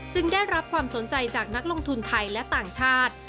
ได้รับความสนใจจากนักลงทุนไทยและต่างชาติ